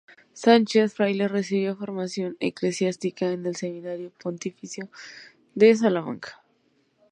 Sánchez Fraile recibió formación eclesiástica en el Seminario Pontificio de Salamanca.